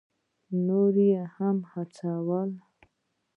نور یې هم هڅول.